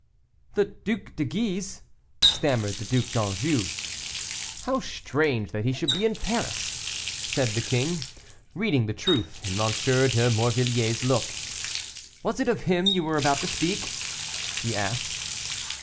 "The Duc de Guise," stammered the Duc d'Anjou. "How strange that he should be in Paris," said the king, reading the truth in M. de Morvilliers' look. "Was it of him you were about to speak?" he asked.